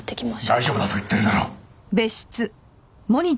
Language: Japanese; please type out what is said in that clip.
大丈夫だと言っているだろう！